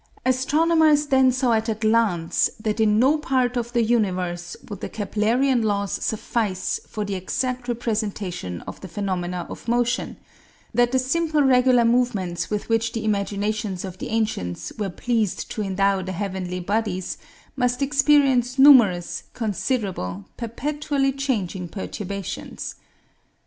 Astronomers then saw at a glance that in no part of the universe would the Keplerian laws suffice for the exact representation of the phenomena of motion; that the simple regular movements with which the imaginations of the ancients were pleased to endow the heavenly bodies must experience numerous, considerable, perpetually changing perturbations.